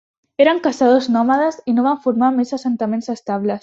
Eren caçadors nòmades i no van formar més assentaments estables.